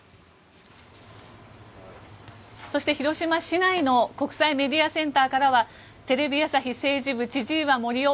そして、広島市内の国際メディアセンターからはテレビ朝日政治部千々岩森生